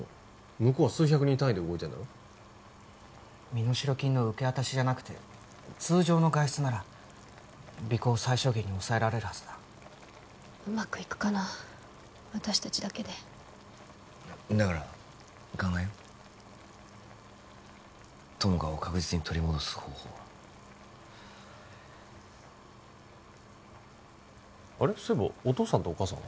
向こうは数百人単位で動いてんだろ身代金の受け渡しじゃなくて通常の外出なら尾行を最小限に抑えられるはずだうまくいくかな私達だけでだから考えよう友果を確実に取り戻す方法をあれっそういえばお父さんとお母さんは？